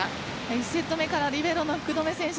１セット目からリベロの福留選手